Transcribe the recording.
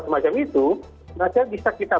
semacam itu maka bisa kita